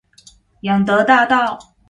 仰德大道